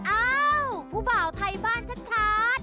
อ้าวผู้บ่าวไทยบ้านชัด